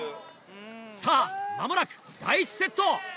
さぁ間もなく第１セット。